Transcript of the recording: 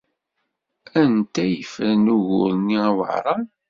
Anta ay yefran ugur-nni aweɛṛan?